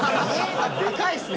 でかいですね。